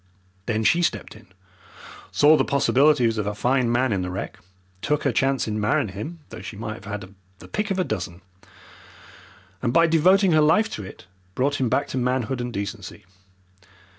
Then she stepped in, saw the possibilities of a fine man in the wreck, took her chance in marrying him though she might have had the pick of a dozen, and, by devoting her life to it, brought him back to manhood and decency.